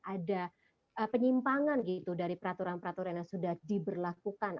ada penyimpangan gitu dari peraturan peraturan yang sudah diberlakukan